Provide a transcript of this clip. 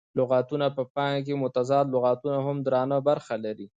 د لغتونه په پانګه کښي متضاد لغتونه هم درنه برخه لري.